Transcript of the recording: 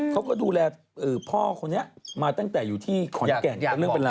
เขาก็ดูแลพ่อคนนี้มาตั้งแต่อยู่ที่ขอนแก่นเป็นเรื่องเป็นรา